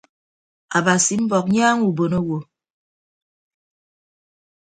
Abasi mbọk nyaaña ubon owo.